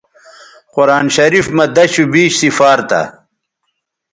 قرآن شریف مہ دشوبیش سفار تھا